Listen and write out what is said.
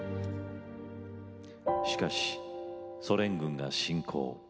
しかし、ソ連軍が侵攻。